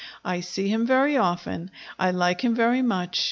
I see him very often. I like him very much.